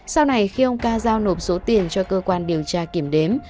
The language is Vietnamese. sau này khi ông ca giao nộp số tiền cho cơ quan điều tra kiểm đếm